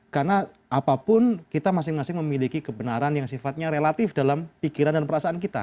karena apapun kita masing masing memiliki kebenaran yang sifatnya relatif dalam pikiran dan perasaan kita